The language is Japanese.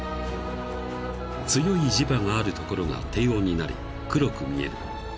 ［強い磁場があるところが低温になり黒く見える］